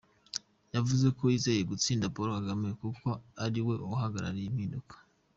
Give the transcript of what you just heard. Yavuze Ko yizeye gutsinda Paul Kagame kuko ari we uhagarariye impinduka.